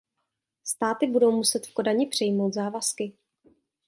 Státy budou muset v Kodani přijmout závazky!